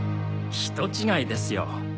人違いですよ。